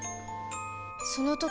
その時